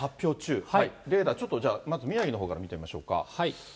レーダー、ちょっとまず宮城のほうから見てみましょうか。